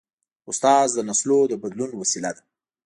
استاد د نسلونو د بدلون وسیله ده.